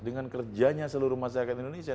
dengan kerjanya seluruh masyarakat indonesia